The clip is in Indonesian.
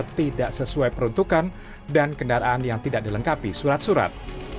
tidak sesuai peruntukan dan kendaraan yang tidak dilengkapi surat surat